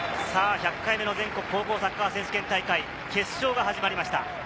１００回目の全国高校サッカー選手権大会、決勝が始まりました。